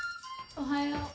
おはよう花。